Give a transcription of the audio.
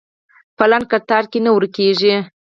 په لنډ کتار کې نه ورکېږي.